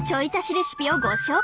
レシピをご紹介！